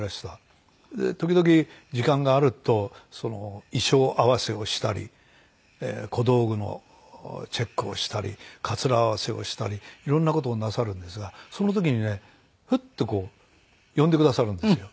時々時間があると衣装合わせをしたり小道具のチェックをしたりかつら合わせをしたりいろんな事をなさるんですがその時にねふっとこう呼んでくださるんですよ。